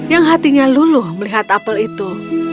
yang hatinya luluh melihat apel itu